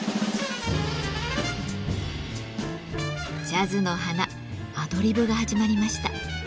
ジャズの花アドリブが始まりました。